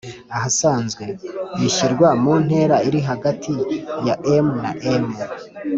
ahasanzwe:bishyirwa mu ntera iri hagati ya m na m